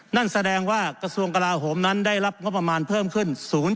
นั่นแสดงว่ากระทรวงกลาโหมนั้นได้รับงบประมาณเพิ่มขึ้น